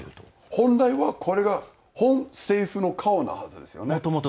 本来はこれが本政府の顔のはずですよね。